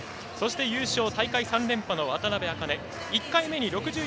そして優勝大会３連覇の渡邊茜。